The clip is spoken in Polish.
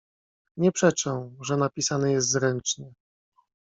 "Nie przeczę, że napisany jest zręcznie."